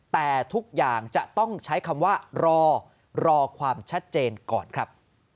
แต่ทุกอย่างจะต้องใช้คำว่ารอรอความชัดเจนก่อนครับ